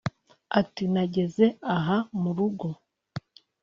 Ati “Nageze aha mu rugo